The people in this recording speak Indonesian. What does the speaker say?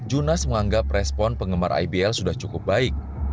junas menganggap respon penggemar ibl sudah cukup baik